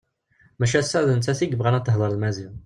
Maca ass-a d nettat i yebɣan ad tehder d Maziɣ.